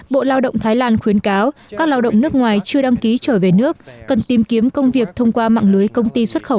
bộ lao động thái lan khuyến cáo các lao động nước ngoài chưa đăng ký trở về nước cần tìm kiếm công việc thông qua mạng lưới công ty xuất khẩu